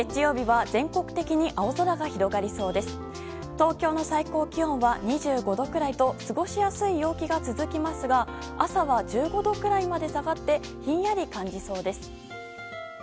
東京の最高気温は２５度くらいと過ごしやすい陽気が続きますが朝は１５度くらいまで下がってひんやり感じそうです。